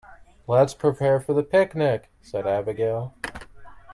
"Let's prepare for the picnic!", said Abigail.